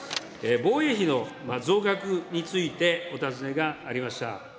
防衛費の増額についてお尋ねがありました。